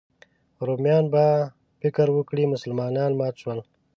رومیان به فکر وکړي مسلمانان مات شول.